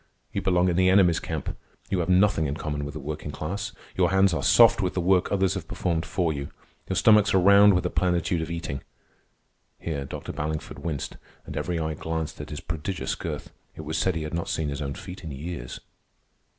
You belong in the enemy's camp. You have nothing in common with the working class. Your hands are soft with the work others have performed for you. Your stomachs are round with the plenitude of eating." (Here Dr. Ballingford winced, and every eye glanced at his prodigious girth. It was said he had not seen his own feet in years.)